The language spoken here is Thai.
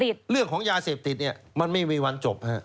เพราะฉะนั้นเรื่องของยาเสพติดเนี่ยมันไม่มีวันจบครับ